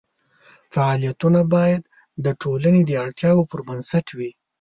فعالیتونه باید د ټولنې د اړتیاوو پر بنسټ وي.